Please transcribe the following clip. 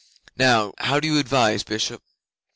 How do you advise, Bishop?"